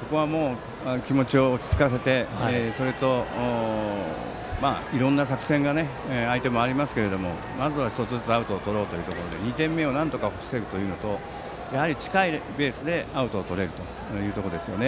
ここはもう気持ちを落ち着かせてそれといろんな作戦が相手もありますけどもまずは１つずつアウトをとろうというところで２点目をなんとか防ぐというのと近いベースでアウトをとれるというところですよね。